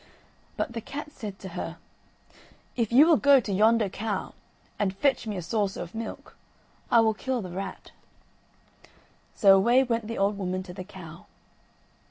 But the cat said to her, "If you will go to yonder cow, and fetch me a saucer of milk, I will kill the rat." So away went the old woman to the cow.